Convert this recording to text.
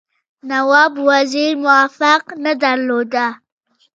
نواب وزیر موافقه نه درلوده.